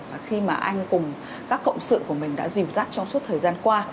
và khi mà anh cùng các cộng sự của mình đã dìu dắt trong suốt thời gian qua